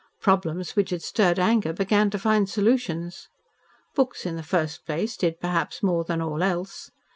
Problems which had stirred anger began to find solutions. Books, in the first place, did perhaps more than all else.